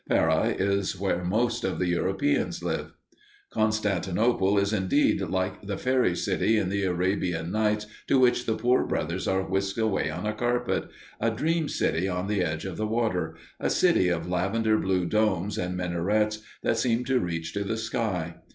Pera is where most of the Europeans live. Constantinople is indeed like the fairy city in the Arabian Nights to which the poor brothers are whisked away on a carpet a dream city on the edge of the water a city of lavender blue domes, and minarets that seem to reach to the sky.